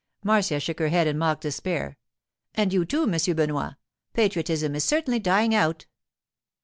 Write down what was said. Marcia shook her head in mock despair. 'And you, too, M. Benoit! Patriotism is certainly dying out.